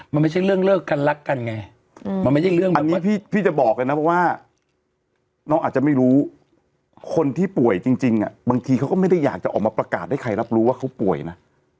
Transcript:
มันไม่ใช่เรื่องเลิกกันรักกันไงมันไม่ใช่เรื่องอันนี้พี่จะบอกกันนะเพราะว่าน้องอาจจะไม่รู้คนที่ป่วยจริงบางทีเขาก็ไม่ได้อยากจะออกมาประกาศให้ใครรับรู้ว่าเขาป่วยนะ